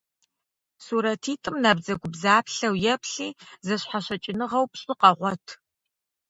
Сурэтитӏым набдзэгубдзаплъэу еплъи, зэщхьэщыкӏыныгъэу пщӏы къэгъуэт.